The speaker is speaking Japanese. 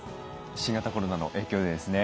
新型コロナの影響でですね